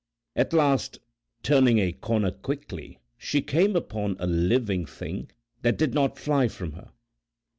At last, turning a corner quickly, she came upon a living thing that did not fly from her.